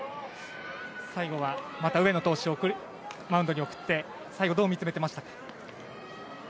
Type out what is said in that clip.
最後はまた上野投手をマウンドに送って最後、どう見つめてましたか。